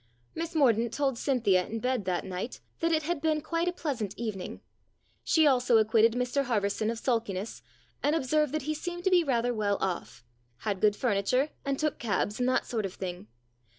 Miss Mordaunt told Cynthia in bed that night that it had been quite a pleasant evening. She also acquitted Mr Harverson of sulkiness, and observed that he seemed to be rather well off had good furniture, and took cabs, and that sort of thing.